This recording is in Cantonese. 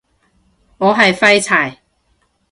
我係廢柴